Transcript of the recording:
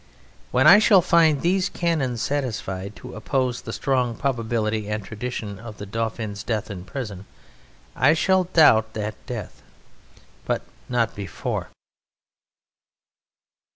When I shall find these canons satisfied to oppose the strong probability and tradition of the Dauphin's death in prison I shall doubt that death, but not before.